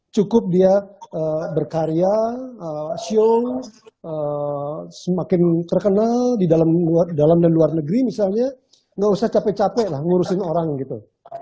cukup dia berkarya show semakin terkenal di dalam dan luar negeri misalnya nggak usah capek capek lah ngurusin orang gitu